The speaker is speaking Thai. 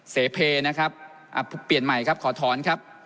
เสเพนะครับเปลี่ยนใหม่ครับขอถอนครับ